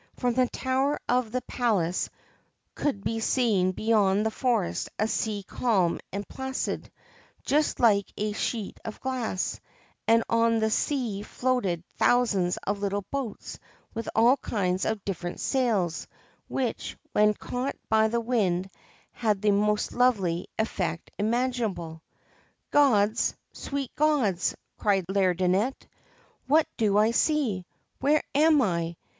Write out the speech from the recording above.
From the tower of the palace could be seen beyond the forest a sea calm and placid, just like a sheet of glass, and on the sea floated thousands of little boats with all kinds of different sails, which, when caught by the wind, had the most lovely effect imaginable. 'Gods, sweet gods!' cried Laideronnette, 'what do I see? Where am I